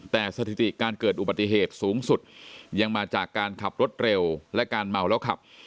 แต่สถิติการเกิดอุบัติเหตุสูงสุดยังมาจากการขับรถเร็วและการเมาแล้วขับ